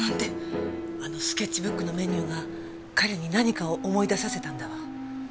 あのスケッチブックのメニューが彼に何かを思い出させたんだわ。